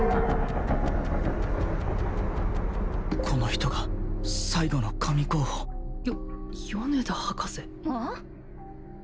この人が最後の神候補よ米田博士？